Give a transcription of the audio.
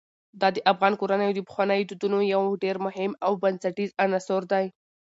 دا د افغان کورنیو د پخوانیو دودونو یو ډېر مهم او بنسټیز عنصر دی.